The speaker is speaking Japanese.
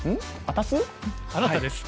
あなたです。